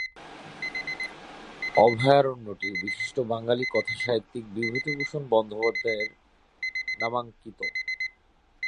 অভয়ারণ্যটি বিশিষ্ট বাঙালি কথাসাহিত্যিক বিভূতিভূষণ বন্দ্যোপাধ্যায়ের নামাঙ্কিত।